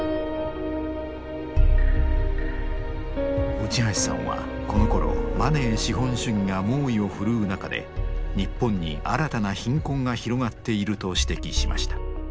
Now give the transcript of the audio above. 内橋さんはこのころマネー資本主義が猛威を振るう中で日本に新たな貧困が広がっていると指摘しました。